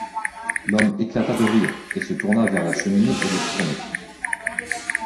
L’homme éclata de rire et se tourna vers la cheminée et les fourneaux.